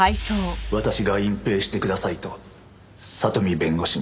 私が隠蔽してくださいと里見弁護士に頼みました。